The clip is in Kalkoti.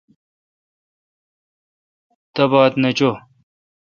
تباتھ نہ چو۔